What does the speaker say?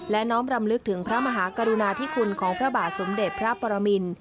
และน้อมรำลึกถึงพระมหากรุณาธิคุณของพระบาทสมเด็จพระปรมิน